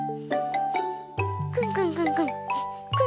くんくんくんくん。